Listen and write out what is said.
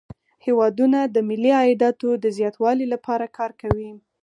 هیوادونه د ملي عایداتو د زیاتوالي لپاره کار کوي